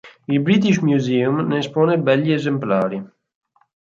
Il British Museum ne espone begli esemplari.